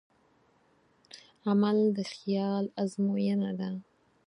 عمل د خیال ازموینه ده.